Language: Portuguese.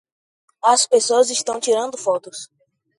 As pessoas estão tirando fotos